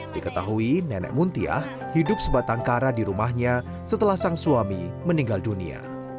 diketahui nenek muntiah hidup sebatang kara di rumahnya setelah sang suami meninggal dunia